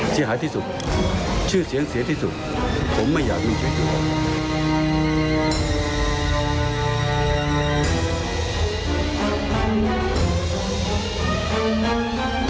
จะหายที่สุดชื่อเสียงเสียที่สุดผมไม่อยากมีชื่อเสียง